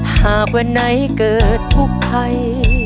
หากวันไหนเกิดทุกภัย